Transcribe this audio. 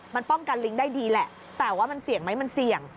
มันป้องกันลิงได้ดีแหละแต่ว่ามันเสี่ยงไหมมันเสี่ยง